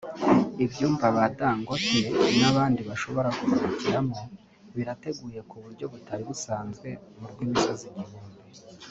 ibyumba ba Dangote n’abandi bashobora kuruhukiramo birateguye mu buryo butari busanzwe mu rw’imisozi igihumbi